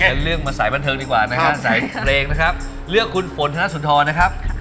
เป็นเรื่องมาสายบันเทิงดีกว่านะครับสายเพลงนะครับเลือกคุณฝนธนสุนทรนะครับ